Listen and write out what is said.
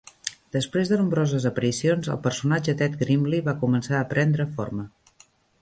Després de nombroses aparicions el personatge d'Ed Grimley va començar a prendre forma.